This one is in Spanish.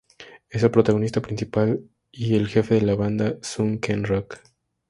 Es el protagonista principal y el jefe de la banda "Sun-Ken Rock".